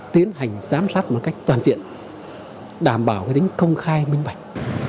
tiến hành giám sát một cách toàn diện đảm bảo tính công khai minh bạch